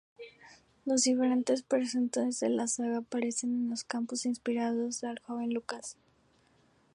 Los diferentes personajes de la saga aparecen en el campus, inspirando al joven Lucas.